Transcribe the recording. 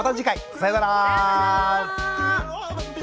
さようなら。